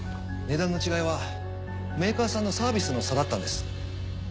値段の違いはメーカーさんのサービスの差だったんです。